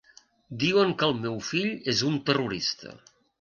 Diuen que el meu fill és un terrorista.